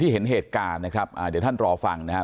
เห็นเหตุการณ์นะครับเดี๋ยวท่านรอฟังนะครับ